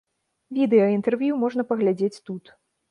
Відэа інтэрв'ю можна паглядзець тут.